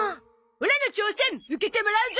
オラの挑戦受けてもらうゾ！